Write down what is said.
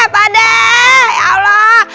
pade ya allah